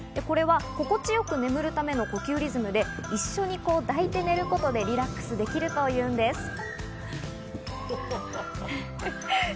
これは心地よく眠るための呼吸リズムで一緒に抱いて寝ることでリラックスできるというんです。